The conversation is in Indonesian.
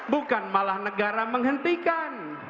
bukan malah negara menghentikan